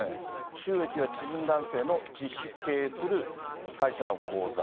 収益は知人男性の実質経営する会社の口座。